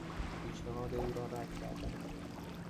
پیشنهاد او را رد کردم.